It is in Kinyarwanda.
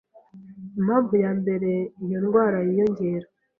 Impamvu ya mbere iyo ndwara yiyongera